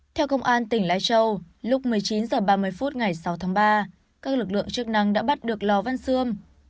theo công an tỉnh lai châu lúc một mươi chín h ba mươi phút ngày sáu tháng ba các lực lượng chức năng đã bắt được lò văn xương